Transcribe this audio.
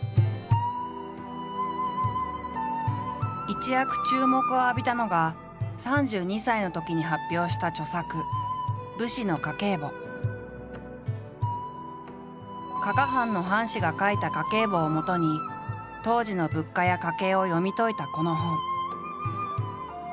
一躍注目を浴びたのが３２歳のときに発表した著作「武士の家計簿」。をもとに当時の物価や家計を読み解いたこの本。